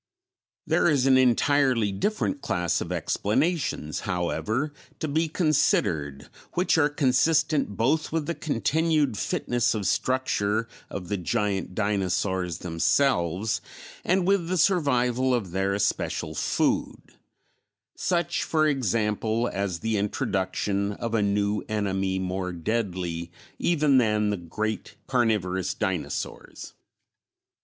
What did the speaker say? ] There is an entirely different class of explanations, however, to be considered, which are consistent both with the continued fitness of structure of the giant dinosaurs themselves and with the survival of their especial food; such, for example, as the introduction of a new enemy more deadly even than the great carnivorous dinosaurs.